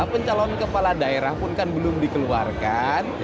pencalon kepala daerah pun kan belum dikeluarkan